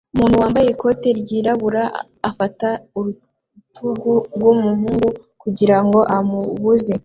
Umuntu wambaye ikoti ryirabura afata urutugu rwumuhungu kugirango amubuze